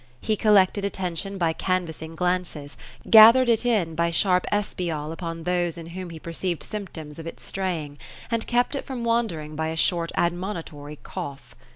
He collected attention by canvassing glances ; gathered it in by sharp espial upon those in whom he per ceived symptoms of its straying ; and kept it from wandering by a short admonitory cough.